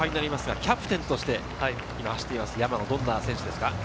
キャプテンとして今走っています山野はどんな選手ですか？